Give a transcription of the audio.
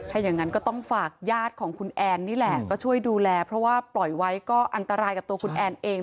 ถ้าอย่างนั้นก็ต้องฝากญาติของคุณแอนนี่แหละก็ช่วยดูแลเพราะว่าปล่อยไว้ก็อันตรายกับตัวคุณแอนเอง